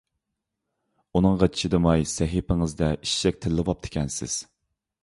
ئۇنىڭغا چىدىماي سەھىپىڭىزدە ئىششەك تىللىۋاپتىكەنسىز.